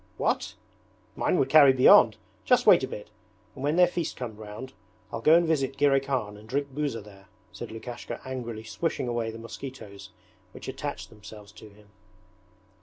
'What! Mine would carry beyond. Just wait a bit, and when their feast comes round I'll go and visit Girey Khan and drink buza there,' said Lukashka, angrily swishing away the mosquitoes which attached themselves to him.